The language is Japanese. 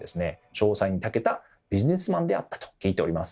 商才にたけたビジネスマンであったと聞いております。